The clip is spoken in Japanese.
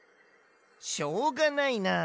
しょうがないな。